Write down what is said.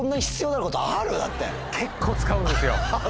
結構使うんですよ。